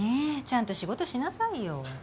ちゃんと仕事しなさいよ。